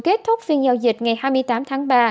kết thúc phiên giao dịch ngày hai mươi tám tháng ba